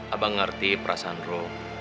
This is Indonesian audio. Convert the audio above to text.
abang ngerti perasaan rom